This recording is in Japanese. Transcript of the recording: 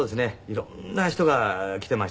いろんな人が来てましたね。